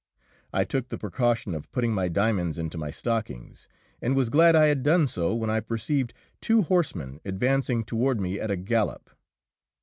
I took the precaution of putting my diamonds into my stockings, and was glad I had done so when I perceived two horsemen advancing toward me at a gallop.